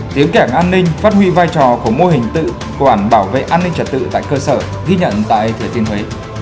tiếng kẻng an ninh phát huy vai trò của mô hình tự quản bảo vệ an ninh trật tự tại cơ sở ghi nhận tại thừa thiên huế